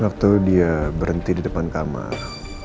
waktu dia berhenti di depan kamar